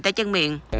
tai chân miệng